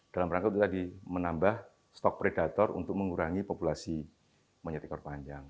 dalam rangka untuk tadi menambah stok predator untuk mengurangi populasi monyet ekor panjang